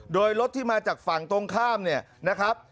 โดยรถที่มาจากฝั่งตรงข้ามเนี่ยนะครับ